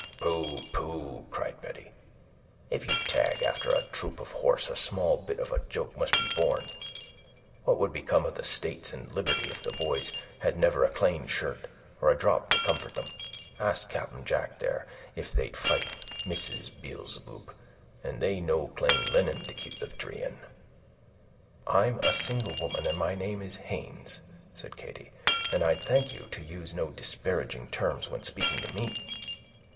"Pooh! pooh!" cried Betty; "if you tag after a troop of horse, a small bit of a joke must be borne. What would become of the states and liberty, if the boys had never a clane shirt, or a drop to comfort them? Ask Captain Jack, there, if they'd fight, Mrs. Beelzeboob, and they no clane linen to keep the victory in." "I'm a single woman, and my name is Haynes," said Katy, "and I'd thank you to use no disparaging terms when speaking to me."